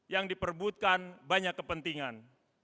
yang diperbutkan banyak kepentingan